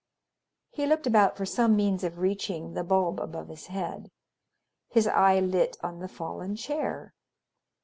He looked about for some means of reaching the bulb above his head. His eye lit on the fallen chair.